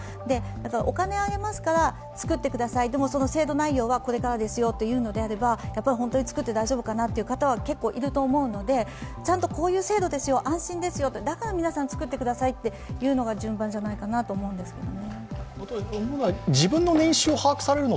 お金あげますから作ってください、でもその制度内容はこれからですよというのであれば、本当に作って大丈夫かなと思う方は結構いると思うのでちゃんとこういう制度ですよ、安心ですよ、だから皆さん作ってくださいというのが順番じゃないかなと思うんですよね。